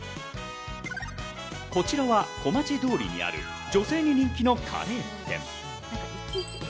こちらは小町通りにある女性に人気のカレー店。